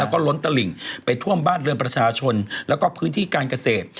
แล้วก็ล้นตลิ่งไปท่วมบ้านเรือนประชาชนแล้วก็พื้นที่การเกษตร